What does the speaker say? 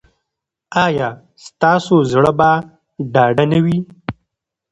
ایا ستاسو زړه به ډاډه نه وي؟